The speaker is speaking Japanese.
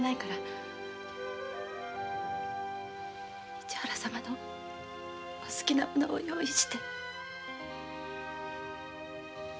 市原様のお好きな物を用意して。